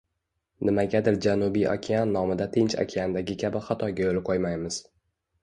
Nimagadir Janubiy okean nomida Tinch okeandagi kabi xatoga yo‘l qo‘ymaymiz.